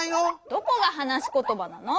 どこがはなしことばなの？